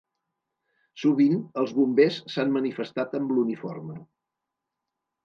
Sovint, els bombers s’han manifestat amb l’uniforme.